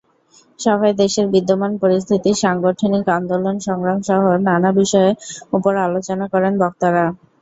সভায় দেশের বিদ্যমান পরিস্থিতি, সাংগঠনিক আন্দোলন–সংগ্রামসহ নানা বিষয়ের ওপর আলোচনা করেন বক্তারা।